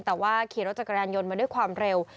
แต่ว่าขี่รถจักรยานยนต์มาด้วยความเร็ว